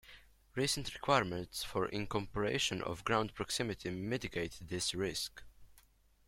Recent requirements for incorporation of ground proximity mitigate this risk.